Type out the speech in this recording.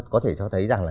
có thể cho thấy rằng là